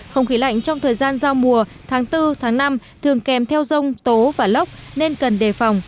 không khí lạnh trong thời gian giao mùa tháng bốn tháng năm thường kèm theo rông tố và lốc nên cần đề phòng